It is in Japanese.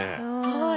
はい。